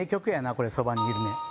これ「そばにいるね」